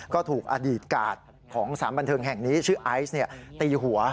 ก็ถูกอดีตกาดของสารบันเทิงแห่งนี้ชื่อไอซ์ตีหัว